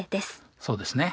そうですね。